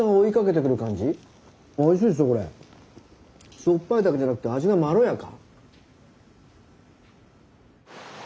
しょっぱいだけじゃなくて味がまろやか。